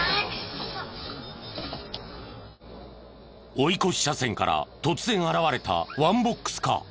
追い越し車線から突然現れたワンボックスカー。